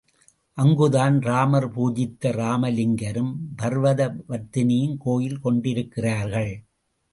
அங்குதான் ராமர் பூஜித்த ராமலிங்கரும் பர்வத வர்த்தினியும் கோயில் கொண்டிருக்கிறார்கள்.